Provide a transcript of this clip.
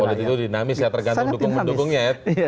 dari politik itu dinamis ya tergantung dukung dukungnya ya